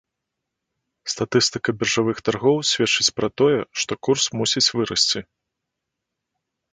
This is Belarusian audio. Статыстыка біржавых таргоў сведчыць пра тое, што курс мусіць вырасці.